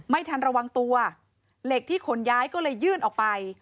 ไม่ทันระวังตัวเหล็กที่ขนย้ายก็เลยยื่นออกไป